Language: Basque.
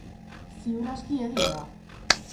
Ziur aski egia da.